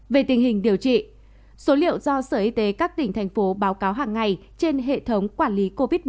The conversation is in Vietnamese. về tình hình điều trị số liệu do sở y tế các tỉnh thành phố báo cáo hàng ngày trên hệ thống quản lý covid một mươi chín